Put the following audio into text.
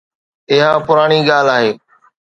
اها پراڻي ڳالهه آهي.